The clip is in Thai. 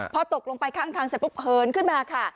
พอตกลงไปข้างทางเสร็จปุ๊บเหินขึ้นมาค่ะ